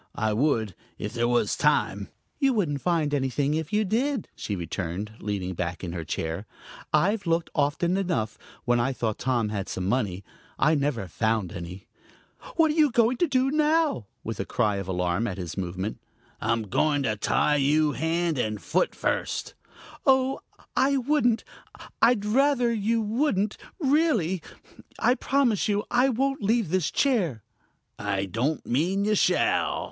I would, if there was time." "You wouldn't find anything if you did," she returned, leaning back in her chair. "I've looked often enough, when I thought Tom had some money. I never found any. What are you going to do now?" with a cry of alarm at his movement. "I'm going to tie you hand and foot first " "Oh, I wouldn't! I'd rather you wouldn't really! I promise you I won't leave this chair " "I don't mean you shall."